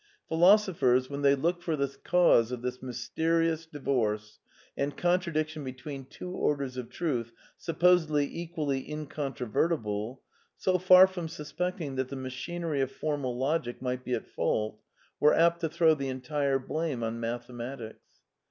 Philosophers, when they looked THE NEW REALISM 166 for the cause of this mysterious divorce and contradiction between two orders of truth supposed equally incontro vertible, so far from suspecting that the machinery of formal logic might be at fault, were apt to throw the entire blame on mathematics.